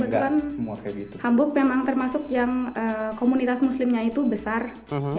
kebetulan hamburg memang termasuk yang komunitas muslimnya itu besar